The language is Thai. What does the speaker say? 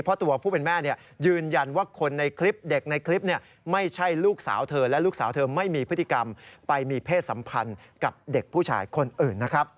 เพราะตัวผู้เป็นแม่ยืนยันว่าคนในคลิปเด็กในคลิปไม่ใช่ลูกสาวเธอและลูกสาวเธอไม่มีพฤติกรรมไปมีเพศสัมพันธ์กับเด็กผู้ชายคนอื่นนะครับ